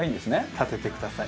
立ててください。